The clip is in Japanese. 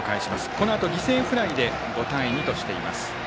このあと犠牲フライで５対２としています。